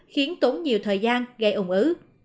khiến tốn nhiều thời gian gây ủng ứ